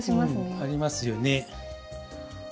ありますよね。